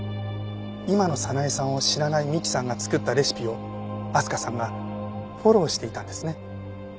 今の早苗さんを知らない美希さんが作ったレシピを明日香さんがフォローしていたんですね。